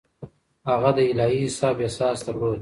هغه د الهي حساب احساس درلود.